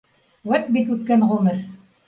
Үәт бит үткән ғүмер